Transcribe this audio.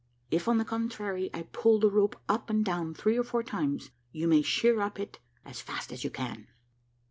If, on the contrary, I pull the rope up and down three or four times, you may sheer up it as fast as you can."